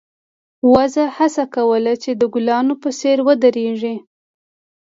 وزه هڅه کوله چې د ګلانو په څېر ودرېږي.